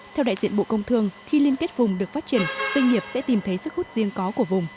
theo đại diện bộ công thương khi liên kết vùng được phát triển doanh nghiệp sẽ tìm thấy sức hút riêng có của vùng